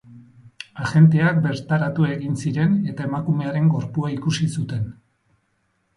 Agenteak bertaratu egin ziren, eta emakumearen gorpua ikusi zuten.